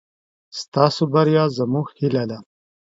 ستاسو بريا زموږ هيله ده.